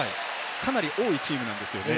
かなり多いチームなんですよね。